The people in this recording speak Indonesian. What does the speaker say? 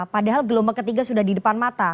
padahal gelombang ketiga sudah di depan mata